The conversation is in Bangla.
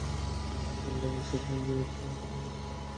তিনি তখন বুঝতে পারলেন যে, ইয়াকূবই আমার আগে এসে এ কাজ করে গেছে।